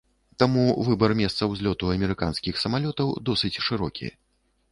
Таму выбар месца ўзлёту амерыканскіх самалётаў досыць шырокі.